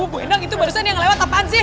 bu endang itu barusan yang lewat apaan sih